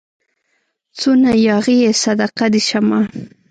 څونه ياغي يې صدقه دي سمه